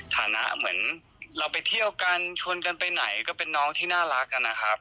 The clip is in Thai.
สบายใจไป๙๕แล้วครับ